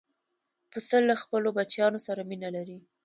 پسه له خپلو بچیانو سره مینه لري.